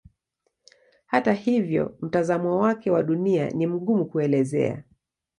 Hata hivyo mtazamo wake wa Dunia ni mgumu kuelezea.